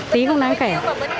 tí không đáng kể